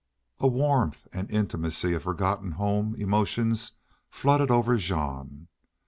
A warmth and intimacy of forgotten home emotions flooded over Jean.